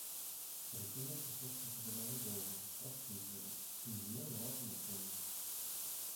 Рысунак усё ж разглядалі доўга, распытвалі, інжынер даваў тлумачэнні.